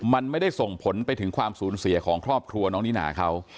มันไม่ได้ส่งผลไปถึงความสูญเสียของครอบครัวน้องนิน่าเขา